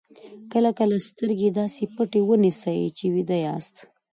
کله کله سترګې داسې پټې ونیسئ چې ویده یاست.